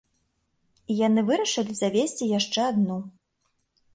І яны вырашылі завесці яшчэ адну.